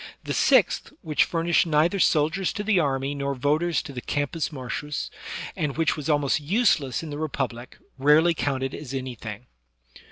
The sixth, which furnished neither soldiers to the army, nor voters to the Campus Martiu^ and which was almost useless in the Republic, rarely counted as anything.